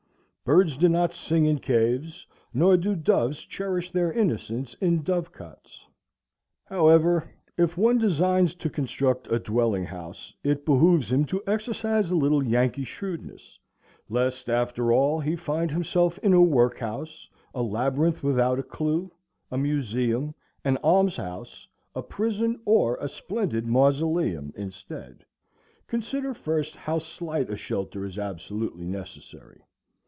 Birds do not sing in caves, nor do doves cherish their innocence in dovecots. However, if one designs to construct a dwelling house, it behooves him to exercise a little Yankee shrewdness, lest after all he find himself in a workhouse, a labyrinth without a clue, a museum, an almshouse, a prison, or a splendid mausoleum instead. Consider first how slight a shelter is absolutely necessary.